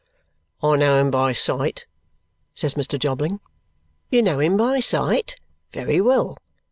"I know him by sight," says Mr. Jobling. "You know him by sight. Very well.